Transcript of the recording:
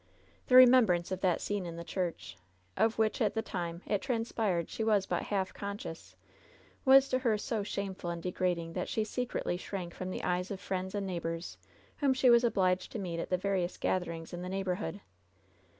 The remembrance of that scene in the church, of which at the time it transpired she was but half conscious, was to her so shameful and degrading that she secretly shrank from the eyes of friends and neighbors whom she was obliged to meet at the various gatherings in the neigh borhood.